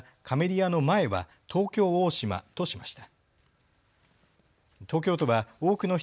あの前は東京大島としました。